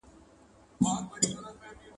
کېدای سي یو څوک په شپېتو کلونو کي لا ماشوم وي